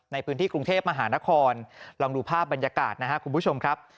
ในพื้นที่กรุงเทพมหานครลองดูภาพบรรยากาศนะครับคุณผู้ชมครับ